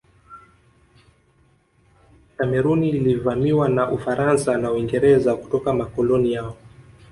Kameruni ilivamiwa na Ufaransa na Uingereza kutoka makoloni yao